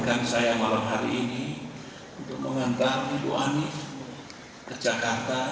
dan saya malam hari ini untuk mengantar ibu ani ke jakarta